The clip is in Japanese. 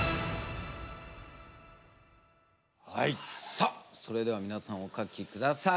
さあそれでは皆さんお書き下さい。